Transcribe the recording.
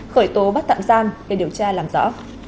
khởi tố bắt tạm giam để điều tra làm rõ